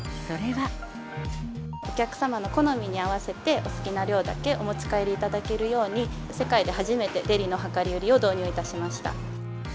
お客様の好みに合わせて、お好きな量だけお持ち帰りいただけるように、世界で初めてデリの量り売りを導入いたしました。